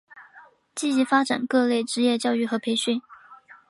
积极发展各类职业教育和培训。